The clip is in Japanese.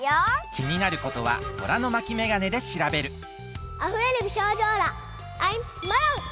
きになることは虎の巻メガネでしらべるあふれる美少女オーラアイムマロン！